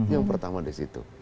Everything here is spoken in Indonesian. yang pertama dari situ